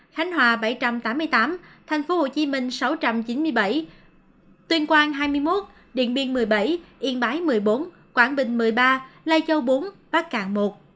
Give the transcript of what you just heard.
khánh hòa bảy trăm tám mươi tám tp hcm sáu trăm chín mươi bảy tuyên quang hai mươi một điện biên một mươi bảy yên bái một mươi bốn quảng bình một mươi ba lai châu bốn bắc cạn một